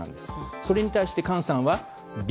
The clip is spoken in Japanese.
それに対して菅さんはＢ。